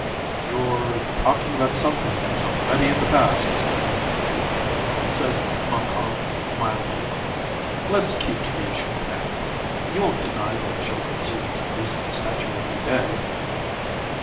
"You're talking about something that's already in the past, Mr. Levitt," said Montcalm mildly. "Let's keep to the issue at hand. You won't deny that children see this indecent statue every day?"